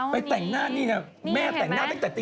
แต่งหน้านี่นะแม่แต่งหน้าตั้งแต่ตี